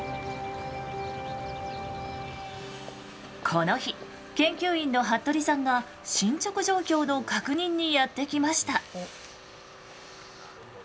この日研究員の服部さんが進捗状況の確認にやって来ました。